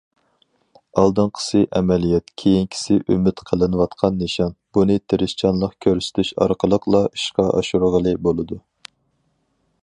ئالدىنقىسى ئەمەلىيەت، كېيىنكىسى ئۈمىد قىلىنىۋاتقان نىشان، بۇنى تىرىشچانلىق كۆرسىتىش ئارقىلىقلا ئىشقا ئاشۇرغىلى بولىدۇ.